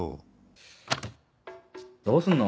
どうすんの？